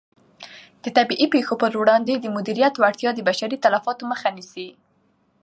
د طبیعي پېښو په وړاندې د مدیریت وړتیا د بشري تلفاتو مخه نیسي.